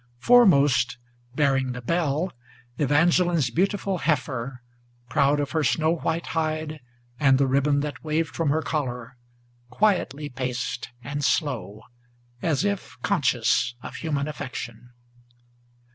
Foremost, bearing the bell, Evangeline's beautiful heifer, Proud of her snow white hide, and the ribbon that waved from her collar, Quietly paced and slow, as if conscious of human affection.